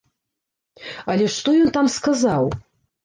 Але што ён там сказаў?